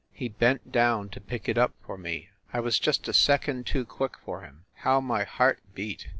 He bent down to pick it up for me I was just a second too quick for him. How my heart beat!